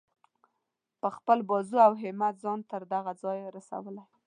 په خپل بازو او همت ځان تر دغه ځایه رسولی.